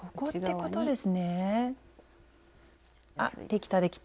あっできたできた。